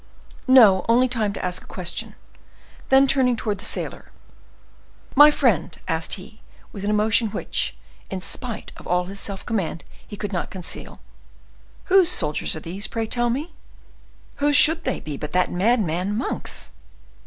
"No; only the time to ask a question." Then, turning towards the sailor, "My friend," asked he, with an emotion which, in spite of all his self command, he could not conceal, "whose soldiers are these, pray tell me?" "Whose should they be but that madman, Monk's?"